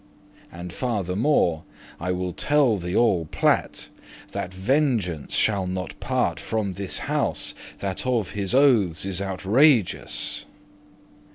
And farthermore, I will thee tell all plat,* *flatly, plainly That vengeance shall not parte from his house, That of his oathes is outrageous.